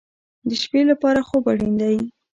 د شپې لپاره خوب اړین دی